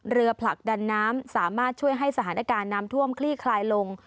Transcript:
ผลักดันน้ำสามารถช่วยให้สถานการณ์น้ำท่วมคลี่คลายลง